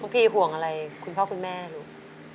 พี่ห่วงอะไรคุณพ่อคุณแม่ลูก